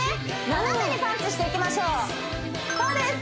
斜めにパンチしていきましょうそうです